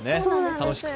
楽しくて。